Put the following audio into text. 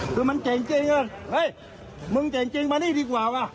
คือมันเจ๋งจริงเฮ้ยมึงเจ๋งจริงมานี่ดีกว่าว่ะ